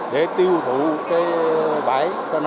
để tiêu thụ cái vải cho năm nay